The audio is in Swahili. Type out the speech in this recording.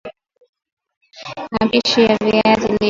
Mapishi ya viazi lishe